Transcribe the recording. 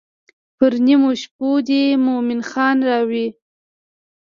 پر نیمو شپو دې مومن خان راوی.